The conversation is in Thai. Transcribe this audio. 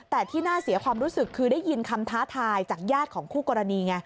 แต่ที่น่าเสียความรู้สึกคือได้ยินคำท้าทายจากญาติของคู่กรณีไง